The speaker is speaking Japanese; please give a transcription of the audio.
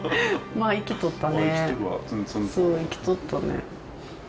そう生きとったね。